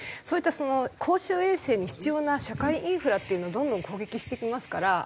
そういった公衆衛生に必要な社会インフラっていうのをどんどん攻撃してきますから。